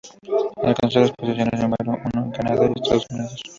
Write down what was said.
Alcanzó las posiciones número uno en Canadá y Estados Unidos.